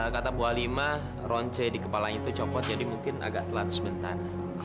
kata bu alima ronce di kepalanya itu copot jadi mungkin agak telat sebentar